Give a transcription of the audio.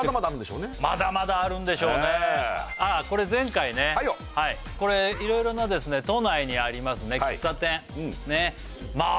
まだまだあるんでしょうねああこれ前回ねこれいろいろな都内にあります喫茶店まあ